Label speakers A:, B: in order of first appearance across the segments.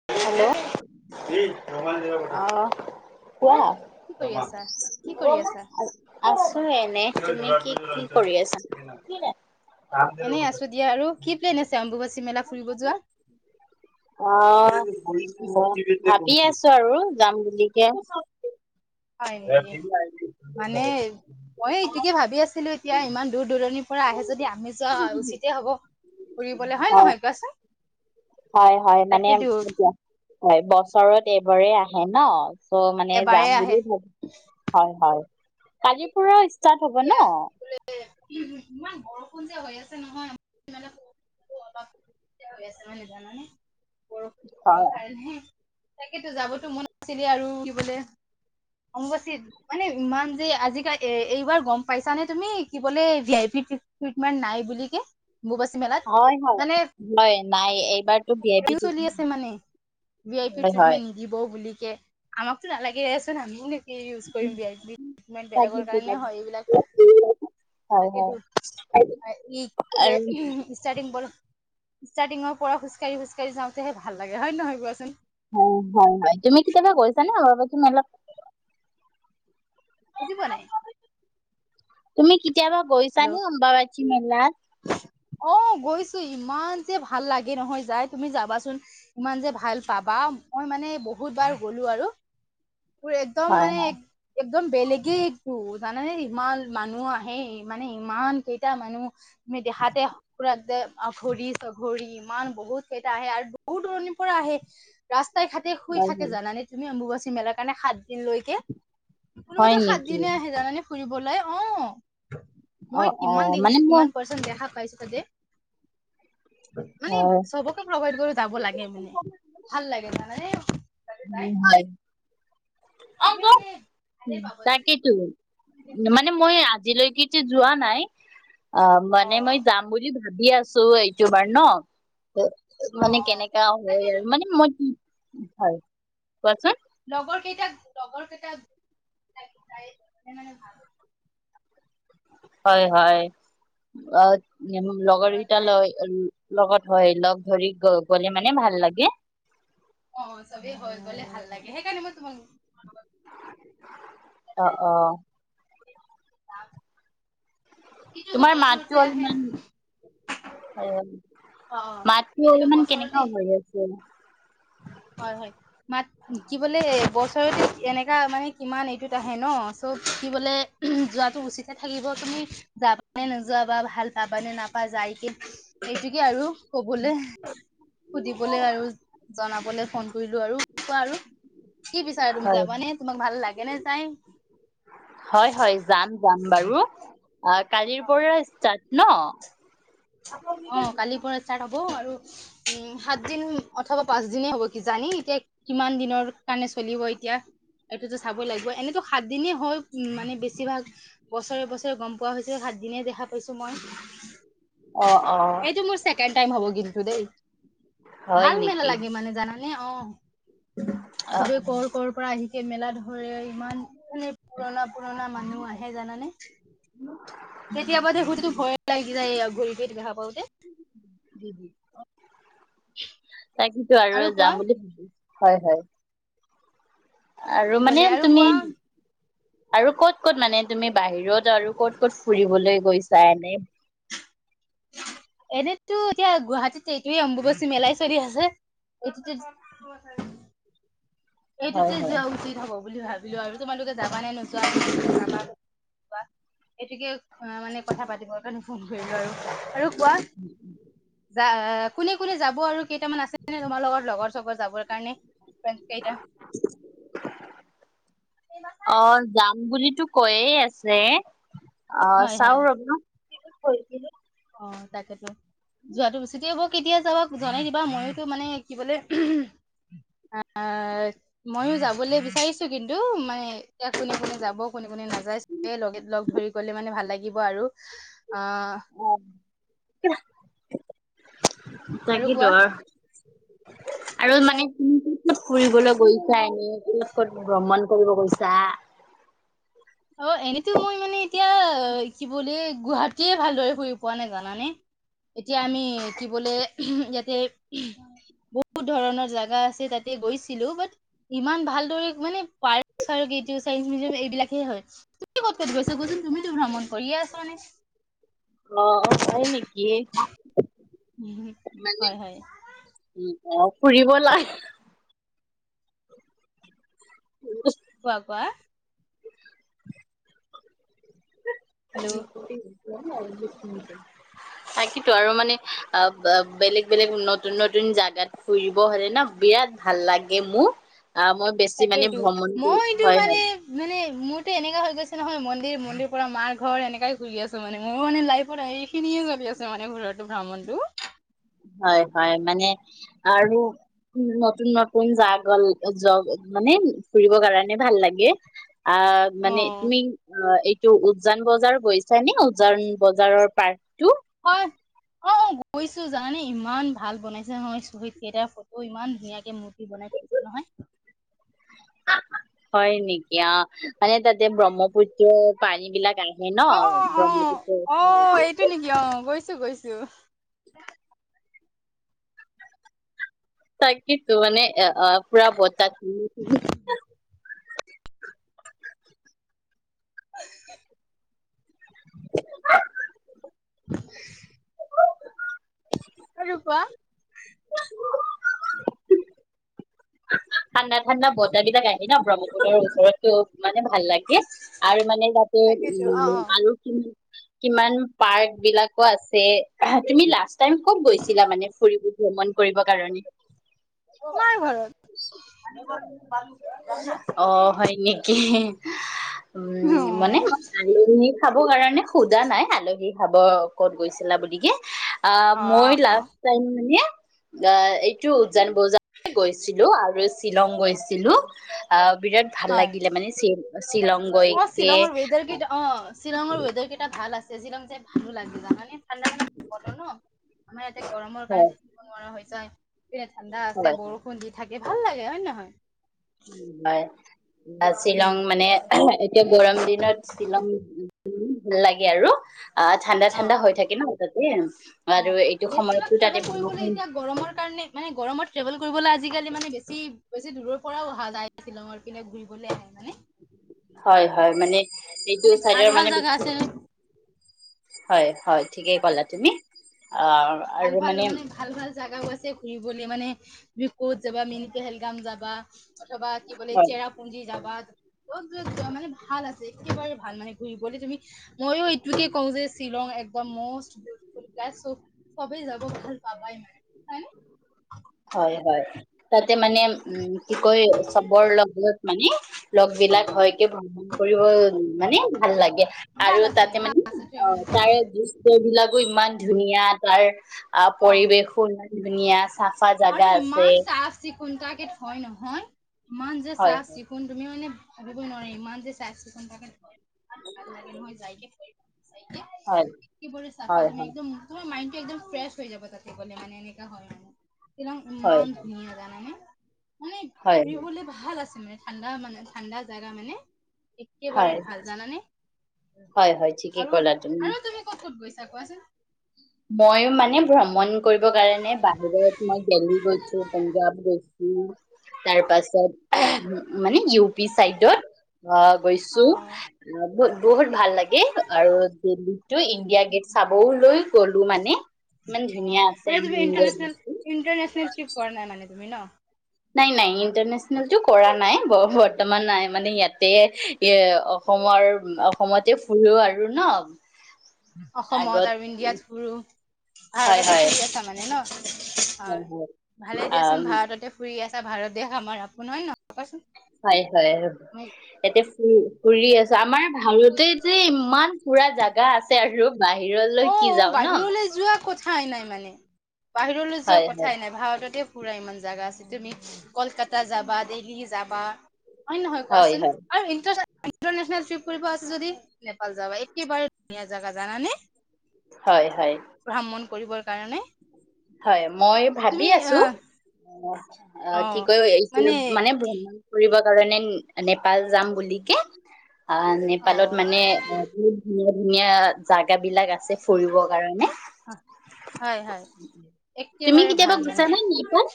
A: Hello, অঁ
B: কি কৰি
A: কোৱা?
B: আছা? কি কৰি আছা?
A: [inaudible] আছো এনেই, তুমি কি কি কৰি আছা?
B: এনেই আছোঁ দিয়া আৰু কি প্লেন আছে অম্বুবাচী মেলা ফুৰিব যোৱা?
A: অঁ ভাবি আছো আৰু যাম বুলিকে।
B: হয় নেকি, মানে মই এইটোকে ভাবি আছিলো এতিয়া ইমান দূৰ দূৰণিৰ পৰা আহে যদি আমি যোৱা উচিতে হব। ফুৰিবলৈ হয় নহয় কোৱাচোন।
A: হয় হয়, মানে
B: তাকেতো।
A: এতিয়া হয় বছৰত এইবাৰে আহে ন। আকৌ মানে
B: এবাৰে
A: যাম
B: আহে।
A: বুলি ভাবো, হয় হয় কালিৰ পৰা ষ্টাৰ্ট হ'ব ন?
B: টোৱে, ইমান বৰষুণ যে হৈ আছে নহয়। অলপ এ, হৈ আছে মানে জানেনে, বৰষূণ ৰ
A: হয়
B: কাৰণে। তাকেতো, যাবতো মন আছিলে আৰু [unintelligible] অম্বুবাচীত মানে ইমান যে আজিকালি এ, এইবাৰ গম পাইছানে তুমি কি বোলে ভি আই পি ট্ৰিটমেণ্ট নাই বুলিকে। অম্বুবাচী মেলাত
A: হয় হয়
B: মানে
A: হয় নাই এইবাৰতো ভি আই পি
B: [unintelligible]
A: টিকেট
B: চলি আছে মানে। ভি আই পি
A: হয় হয়
B: ট্ৰিটমেণ্ট নিদিব বুলিকে, আমাকতো নালাগেচোন আমি মানে কি ইউজ কৰিম ভি আই পি ট্ৰিটমেণ্ট, বেলেগৰ
A: তাকেইতো
B: কাৰণে হয় এইবিলাক।
A: তাকেইতো হয়
B: তাকেইতো [unintelligible]
A: হয় আৰু
B: ষ্টাৰ্টিং ব ষ্টাৰ্টিঙৰ পৰা খোজকাঢ়ি খোজকাঢ়ি যাওঁতেহে ভাল লাগে হয় নহয় কোৱাচোন?
A: হয়, হয়, হয়, তুমি কেতিয়াবা গৈছানে অম্বুবাচী মেলাত?
B: বুজি পোৱা নাই।
A: তুমি কেতিয়াবা
B: হেল্ল'
A: গৈছানে অম্বাবাচি মেলাত?
B: অ' গৈছোঁ, ইমান যে ভাল লাগে নহয় যাই, তুমি চাবাচোন। ইমান যে ভাল পাবা, মই মানে বহুত বাৰ গ'লোঁ আৰু। মোৰ একদম
A: হয়
B: মানে এক একদম বেলেগেই একটো জানানে ইমান মানুহ আহে। মানে ইমান কেইটা মানুহ তুমি দেখাতে ফুৰাতে অঘৰী চঘৰি ইমান বহুত কেইটা আহে আৰু দূৰ দূৰণিৰ পৰা আহে, ৰাস্তাই ঘাট টে শুই
A: হয়
B: থাকে
A: হয়
B: জানানে তুমি অম্বুবাচী মেলাৰ কাৰণে সাত দিন লৈকে।
A: হয়
B: কোনোবাতো সাত
A: নেকি?
B: দিনে আহে জানানে ফুৰিবলৈ। অ'।
A: অ
B: মই
A: অ
B: কিমান
A: মানে
B: দেখিছোঁ,
A: মোৰ
B: কিমান পাৰ্চেন্ট দেখা পাইছোঁ তাতে। মানে
A: হয়।
B: চবক ত' প্ৰভাইড কৰি যাব লাগে মানে, ভাল লাগে মানে এই চবে মানে ভালে পাব
A: [unintelligible]
B: লাগে
A: তাকেতো। মানে মই আজিলৈকে যোৱা নাই আ,
B: অ
A: মানে মই যাম। বুলি ভাবি আছোঁ এইটো বাৰ ন' ত'
B: অ অ
A: মানে কেনেকা হয়
B: তাকেতো
A: আৰু মানে মই কি, হয় কোৱাচোন।
B: লগৰ কেইটা, লগৰ কেইটা [unintelligible] মানে ভাল।
A: হয় হয়, আ,
B: কৰা
A: লগৰকেইটা
B: যায়
A: লৈ লগত হয়, লগ ধৰি গ গ'লে মানে ভাল লাগে।
B: অ' চবেই হৈ গ'লে ভাল লাগে, সেইকাৰণে মই তোমাক
A: অ', অ'।
B: [unintelligible] এইটোতো
A: তোমাৰ মাতটো
B: বছৰতে আহে
A: অলপমান
B: অ অ
A: মাতটো
B: এইটোতো
A: অলপমান
B: বছৰতে
A: কেনেকা হৈ আছে।
B: হয় হয়, মাত কি বোলে বছৰত এনেকা মানে কিমান এইটোত আহে ন' চ' কি বোলে যোৱাটো উচিতে থাকিব, তুমি যাবানে নোযোৱা বা ভাল পাবানে নাপা যাই কি এইটোকে আৰু, ক'বলে, সুধিবলে আৰু জনা বলে ফোন কৰিলোঁ আৰু কোৱা আৰু কি বিচাৰে তুমি
A: হয়
B: যাবানে, তোমাক ভাল লাগে নে যায়?
A: হয় হয়, যাম যাম বাৰু, অ' কালিৰ পৰা ষ্টাৰ্ট ন'?
B: অ' কালিৰ পৰা ষ্টাৰ্ট হ'ব আৰু উম, সাত দিন অথবা পাঁচ দিনে হ'ব কিজানি এতিয়া কিমান দিনৰ কাৰণে চলিব এতিয়া এইটোতো চাব লাগিব, এনেতো সাত দিনেই হয়। ইমানে বেছিভাগ বছৰে বছৰে গম পোৱা হৈছে সাত দিনে দেখা পাইছোঁ মই।
A: অ', অ'।
B: এইটো মোৰ ছেকেণ্ড টাইম হ'ব কিন্তু দেই,
A: হয়
B: ভাল মেলা
A: নেকি
B: লাগে মানে জানা এ অ'
A: অ
B: চবে কৰ কৰ পৰা আহিকে মেলাত ঘূৰে ইমান। কোনে পুৰণা পুৰণা মানুহ আহে জানানে? কেতিয়াবা দে [unintelligible] লাগি যায় আৰু ঘূৰি [unintelligible] দেখা পাও।
A: [unintelligible]
B: [inaudible]
A: তাকেটো আৰু যাম বুলি ভাবো, হয় হয়। আৰু মানে
B: বোলে আৰু
A: তুমি
B: কোৱা
A: আৰু ক'ত ক'ত মানে তুমি বাহিৰত আৰু ক'ত ক'ত ফুৰিবলৈ গৈছা এনে?
B: এনেতো এতিয়া গুৱাহাটীত এইটোৱে অম্বুবাচী মেলাই চলি আছে। [unintelligible]
A: হয়
B: এইটোতে
A: হয়
B: যোৱা উচিত হ'ব বুলি ভাবিলো, আৰু তোমালোকে যাবা নে নোযোৱা? এইটোকে অ' মানে কথা পাতিবৰ কাৰণে ফোন কৰিলো আৰু। আৰু কোৱা!
A: [unintelligible]
B: যা কোনে কোনে যাব আৰু কেইটামান আছে নে তোমাৰ লগত লগৰ-চগৰ যাবৰ কাৰণে। ফ্ৰেণ্ড কেইটা
A: অ' যাম বুলিতো কৈয়ে আছে, অ'
B: হয়
A: চাও
B: হয়
A: ৰবা!
B: অ' তাকেইটো। যোৱাটো বেছিকে হব, কেতিয়া যাবা জনাই দিবা মইতো মানে কি বোলে [unintelligible] অ' [unintelligible] ময়ও যাবলৈ বিচাৰিছো, কিন্তু মানে এতিয়া কোনে কোনে যাব কোনে কোনে নাযাই। এ লগে লগ ধৰি গলে মানে ভাল লাগিব আৰু। আ
A: অ'
B: আৰু
A: তাকেইতো
B: কোৱা
A: আৰ। আৰু মানে তুমি ক'ত ক'ত ফুৰিবলৈ গৈছা এনে? ক'ত ভ্ৰমণ কৰিব গৈছা?
B: অ' এনেতো মই মানে এতিয়া কি বুলি গুৱাহাটীয়ে ভালদৰে ফুৰি পোৱা নাই। জানানে? এতিয়া আমি কি বোলে [unintelligible] ইয়াতে বহুত ধৰণৰ জাগা আছে, তাতে গৈছিলো। বাট ইমান ভালদৰে মানে পাৰ্ক-চাৰ্ক এইটো [unintelligible] মিউজিয়াম এইবিলাকে হয়। তুমি ক'ত ক'ত গৈছা? কোৱাচোন তুমিতো ভ্ৰমণ কৰিয়ে আছা মানে?
A: অ' হয় নেকি?
B: হয় হয়।
A: অঁ, ফুৰিব লা [unintelligible]
B: কোৱা কোৱা!
A: [inaudible]
B: হেল্ল'
A: [unintelligible]
B: [unintelligible]
A: [unintelligible] আৰু মানে অ' ব-বেলেগ বেলেগ নতুন নতুন জাগাত ফুৰিব হলে ন বিৰাট ভাল লাগে মো, আ মই বেছি মানে
B: তাকেইটো
A: ভ্ৰমণ
B: মও
A: কৰি
B: এইটো
A: হয় হয়।
B: মানে মানে মোৰতো এনেকা হৈ গৈছে নহয় মন্দিৰ মন্দিৰ পৰা মাৰ ঘৰ এনেকাই ঘুৰি আছোঁ। মানে মোৰো মানে লাইফত হেৰি খিনিয়ে চলি আছে মানে, ঘৰতো ভ্ৰমণটো।
A: হয় হয়, মানে আৰু উম, নতুন নতুন জাগল জ মানে ফুৰিব কাৰণে ভাল লাগে। আক
B: অ
A: মানে তুমি আহ, এইটো উজান বজাৰ গৈছা নে, সেই উজান বজাৰৰ পাৰ্কটো?
B: হয়, গৈছো জানানে ইমান ভাল বনাইছে নহয় [unintelligible] ইমান ধুনীয়াকে মূৰ্তি বনাই থৈছে নহয়।
A: হয় নেকি, অ', মানে তাতে ব্ৰহ্মপুত্ৰ পানী বিলাক আ
B: অ অ
A: ন'
B: অ
A: ব্ৰহ্মপুত্ৰ
B: অ অ এইটো নেকি অ', গৈছো গৈছো।
A: তাকেইেতো মানে আহ পুৰা বতাহ [unintelligible]
B: [unintelligible]
A: [inaudible]
B: [inaudible] আৰু কোৱা।
A: ঠাণ্ডা-ঠাণ্ডা বতাহ বিলাক আহে ন' ব্ৰহ্মপু্ত্ৰৰ ওচৰতটো মানে ভাল লাগ গে আৰু মানে তাতে
B: তাকেইতো অ
A: উম,
B: অ
A: আলু কিমান পাৰ্ক বিলাকো আছে, তুমি লাষ্ট টাইম ক'ত গৈছিলা মানে ফুৰিব, ভ্ৰমণ কৰিব কাৰণে?
B: কাৰ ঘৰত?
A: অ', হয় নেকি? উম,
B: অ
A: মানে [unintelligible] আলহী খাব কাৰণে সুধা নাই, আলহী খাব ক'ত গৈছিলা বুলিকে আহ,
B: অ
A: মই
B: অ
A: লাষ্ট টাইম মানে আহ, এইটো উজান বজাৰ গৈছিলো লো আৰু শ্বিলং গৈছিলো, আহ বিৰা ভাল
B: হয়
A: লাগিলে মানে
B: অ
A: শ্বি-শ্বিলংগইকে।
B: [unintelligible] শ্বিলঙৰ ৱেদাৰ কেইটা ভাল আছে, শ্বিলং যাই ভাল লাগে যানা নে মানে ঠাণ্ডা ঠাণ্ডা বতাহ ন। আমাৰ ইয়াতে গৰমৰ কাৰণে
A: হয়
B: থাকিব নোৱাৰা হৈ যায়, যেনে ঠাণ্ডা আছে
A: হয়
B: বৰষুণ ষুণ দি থাকে, ভাল লাগে হয় নে নহয়?
A: হয়, বশ্বিলং
B: উম
A: মানে এতিয়া গৰম দিনত শ্বিলং উম, ভাল লাগে আৰু। আহ, ঠাণ্ডা,
B: অ
A: ঠাণ্ডা হৈ থাকে ন তাতে,
B: অ
A: আৰু এইটো
B: বেছিভাগ
A: সময়তো তাতে
B: ট্ৰেভেল কৰিবলৈ
A: বৰষুণ
B: এতিয়া গৰমৰ কাৰণে মানে গৰমত ট্ৰেভেল কৰিবলৈ আজিকালি মানে বেছি বেছি দূৰ পৰা অহা যায়, শ্বিলং পিনে ঘূৰিবলৈ আহে। [unintelligible]
A: হয় হয়, মানে এইটো
B: মানে ভাল
A: চাইডৰ
B: ভাল
A: মানে
B: জাগা
A: বেছি
B: আছে
A: হয় হয় ঠিকেই ক'লা তুমি, আহ
B: ভাল, ভাল মানে ভাল ভাল জাগাও আছে। ফুৰিবলৈ মানে, তুমি ক'ত যাবা মিনি পেহেলগাম যাবা, অথবা কি বোলে
A: হয়
B: চেৰা পুঞ্জি যাবা, ক'ত যোৱা যোৱা মানে ভাল আছে একেবাৰে ভাল মানে ঘূৰিবলৈ তুমি মইয়ো এইটোকে কওঁ যে শ্বিলং একদম মষ্ট বিউটিফুল প্লেচ চবেই যাব ভাল পাবাই মানে। হয়নে
A: হয় হয়, তাতে মানে উম, কি কয় চবৰ লগত মানে লগ বিলাক হয় কি [unintelligible] ফুৰিব মানে, ভাল লাগে,
B: ভাল
A: আৰু
B: আছে
A: তাতে
B: ভাল
A: মানে
B: আছে ট্ৰেভেলিং
A: অ' তাৰে
B: কৰিবলে
A: [unintelligible] বিলাকো ইমান ধুনীয়া, তাৰ আহ
B: অ
A: পৰিবেশো ইমান ধুনীয়া চা চাফা জাগা আছেই।
B: চিকুণ [unintelligible] কৰা কে থয় নহয়, ইমান যে
A: হয়
B: চাফ চিকুণ তুমি মানে ভাবিবই নোৱাৰি, ইমান যে চাফ চিকুণ থাকে, ভাল লাগে নহয় যাই কিনে।
A: হয় হয়
B: [unintelligible]
A: হয়
B: একদম তোমাৰ মাইণ্ডটো একদম ফ্ৰেছ হৈ যাব তাতে গ'লে মানে এনেকুৱা হয় আৰু। শ্বিলং
A: হয়
B: ইমান
A: হয়
B: ধুনীয়া জানানে? মানে
A: হয় হয়
B: ফুৰিবলৈ ভাল আছে। ঠাণ্ডা মানে ঠাণ্ডা জেগা মানে একেবাৰে
A: হয় হয়
B: ভাল জানানে?
A: হয় হয় ঠিকেই
B: আৰু,
A: ক'লা
B: আৰু তুমি ক'ত ক'ত গৈছা কোৱাচোন?
A: মই মানে ভ্ৰমণ কৰিব কাৰণে বাহিৰত মই দেলহি গৈছো, পাঞ্জাব গৈ ছো, তাৰ পাছত মানে ইউ পি চাইডত অ', গৈছো। অ', ব-বহুত ভাল লাগে আৰু দিল্লীতো ইণ্ডিয়া গেট চাবও লৈ গলো মানে, ইমান
B: অ
A: ধুনীয়া আছে
B: মানে
A: আমাৰ
B: তুমি
A: ইণ্ডিয়া
B: ইণ্টাৰনেচনেল
A: গেটতো।
B: ইণ্টাৰনেচনেল ট্ৰিপ কৰা নাই মানে তুমি ন?
A: নাই নাই ইণ্টাৰনেচনেলটো কৰা নাই বৰ্তমান নাই মানে ইয়াতে এ অসমৰ, অসমতে ফুৰো আৰু ন?
B: অসমত
A: আগত
B: আৰু ইণ্ডিয়াত ফুৰো।
A: হয়
B: ভাৰততে
A: হয়
B: ফুৰি আছা মানে ন? হয়, ভালেই
A: আম
B: দিয়াচোন ভাৰততে ফুৰি আছা ভাৰত দেশ আমাৰ আপোন হয়ন নহয়? কোৱাচোন।
A: হয় হয়,
B: আমি-
A: এতিয়া উম, ফুৰি আছো আমাৰ ভাৰতে যে ইমান ফুৰা জাগা আছে আৰু। বাহিৰলৈ
B: অ
A: কি যাওঁ‌ ন?
B: বাহিৰলৈ যোৱা কথাই নাই মানে, বাহিৰলৈ যোৱা
A: হয় হয়
B: কথাই নাই ভাৰততে ফুৰা ইমান জেগা আছে, তুমি কলকাতা যাবা, দিল্লী যাবা হয় নহয় কোৱাচোন? আৰু ইন্টাৰ ইণ্টাৰনেচনেল ট্ৰিপ কৰিব আছে যদি নেপাল যাবা, একেবাৰে ধুনীয়া জাগা, জানানে?
A: হয়, হয়।
B: ভ্ৰমণ কৰিবৰ কাৰণে।
A: হয়, মই ভাবি
B: তুমি
A: আছো,
B: আহ
A: অ', কি কয় এইটো মানে ভ্ৰমণ ফুৰিব কৰিব কাৰণে নেপাল যাম বুলিকে, অ', নেপালত মানে বহুত ধুনীয়া ধুনীয়া জাগা বিলাক আছে ফুৰিবৰ কাৰণে।
B: অ', হয় হয়,
A: তুমি
B: একেবাৰে
A: কেতিয়াবা
B: ভাল মান।
A: গৈছা নে নেপাল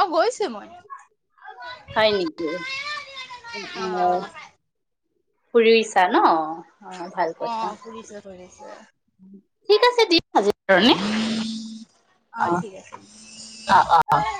B: অ' গৈছোঁ মই।
A: হয় নেকি?
B: অ
A: অ'-অ'। ফুৰিছা ন? অ'। ভাল কথা
B: অ', ফুৰিছো, ফুৰিছো।
A: ঠিক আছে দিয়া আজিৰ কাৰণে, অ'।
B: ঠিক আছে
A: অ'-অ'-অ'।